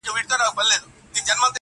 خوله چي اموخته سي، آس نه دئ چي قيضه سي.